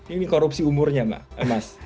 ini korupsi umurnya mas